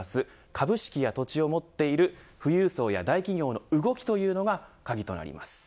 株式や土地を持っている富裕層や大企業の動きというのが鍵となります。